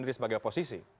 diri sebagai oposisi